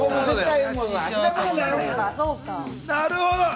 なるほど。